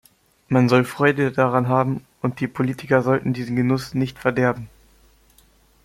Man soll Freude daran haben, und die Politiker sollten diesen Genuss nicht verderben.